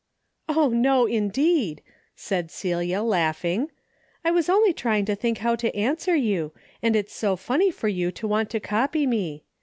" Oh no, indeed !" said Celia laughing, " I was only trying to think how to answer you, and it's so funny for you to want to copy me.